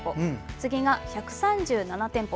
次が１３７店舗。